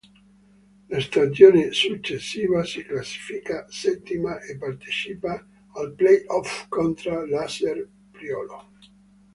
La stagione successiva si classifica settima e partecipa ai play-off contro l'Acer Priolo.